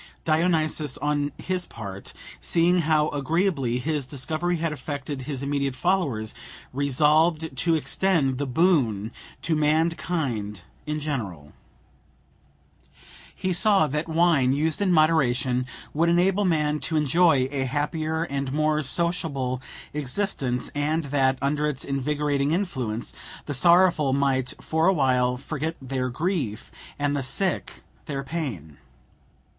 Dionysus, on his part, seeing how agreeably his discovery had affected his immediate followers, resolved to extend the boon to mankind in general. He saw that wine, used in moderation, would enable man to enjoy a happier, and more sociable existence, and that, under its invigorating influence, the sorrowful might, for a while, forget their grief and the sick their pain.